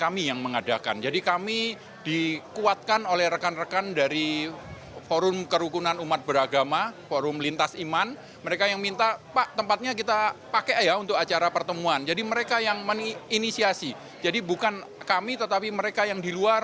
mereka yang menginisiasi jadi bukan kami tetapi mereka yang di luar